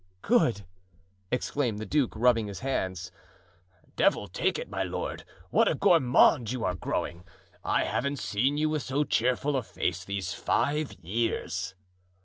"Good!" exclaimed the duke, rubbing his hands. "Devil take it, my lord! what a gourmand you are growing; I haven't seen you with so cheerful a face these five years."